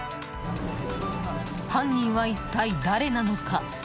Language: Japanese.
犯人は一体誰なのか。